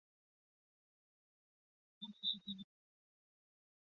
何况是主簿呢？